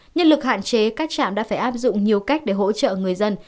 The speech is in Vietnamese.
nhân lực hạn chế các trạm đã phải áp dụng nhiều cách để hỗ trợ người dân